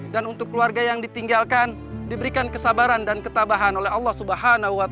dan untuk keluarga yang ditinggalkan diberikan kesabaran dan ketabahan oleh allah swt